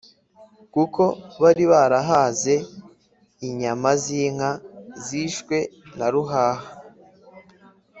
kuko bari barahaze inyama z' inka zishwe na ruhaha